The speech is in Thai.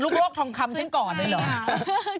โรคทองคำฉันก่อนเลยเหรอ